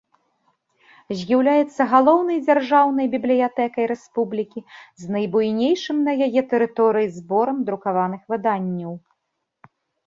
З'яўляецца галоўнай дзяржаўнай бібліятэкай рэспублікі, з найбуйнейшым на яе тэрыторыі зборам друкаваных выданняў.